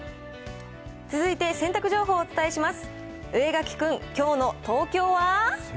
続いて洗濯情報をお伝えします。